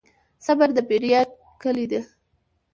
صبر د بریا کلي ده.